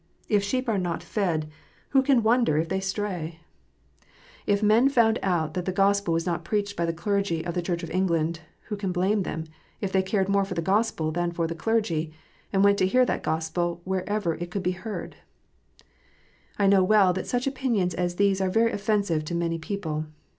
If sheep are not fed, who can wonder if they 236 KNOTS UNTIED. stray ? If men found out that the Gospel was not preached by the clergy of the Church of England, who can blame them if they cared more for the Gospel than for the clergy, and went to hear that Gospel wherever it could be heard 1 I know well that such opinions as these are very offensive to many people.